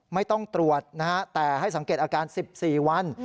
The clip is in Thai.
ไม่ต้องตรวจนะฮะแต่ให้สังเกตอาการ๑๔วัน